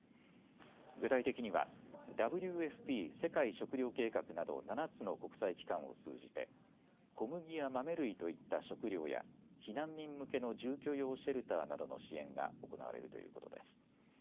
具体的にはＷＦＰ・世界食糧計画など７つの国際機関を通じて小麦や豆類といった食料や避難民向けの住居用シェルターなどの支援が行われるということです。